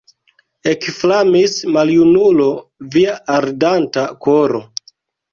Ekflamis, maljunulo, via ardanta koro!